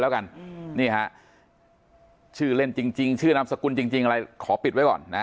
แล้วกันนี่ฮะชื่อเล่นจริงชื่อนามสกุลจริงอะไรขอปิดไว้ก่อนนะ